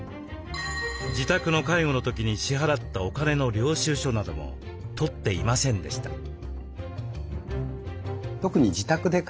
自宅の介護の時に支払ったお金の領収書なども取っていませんでした。